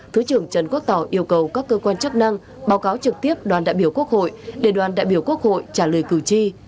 thứ trưởng trần quốc tỏ yêu cầu các cơ quan chức năng báo cáo trực tiếp đoàn đại biểu quốc hội để đoàn đại biểu quốc hội trả lời cử tri